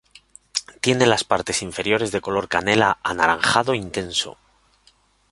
Tiene las partes inferiores de color canela anaranjado intenso.